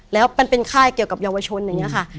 แล้วมันเป็นค่ายเกี่ยวกับเยาวชนอย่างนี้ค่ะ